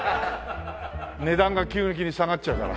値段が急激に下がっちゃうから。